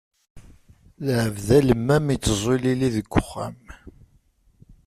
Lɛebd alemmam, iteẓẓu ilili deg uxxam.